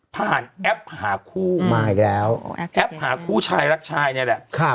แอปหาคู่มาอีกแล้วแอปหาคู่ชายรักชายนี่แหละ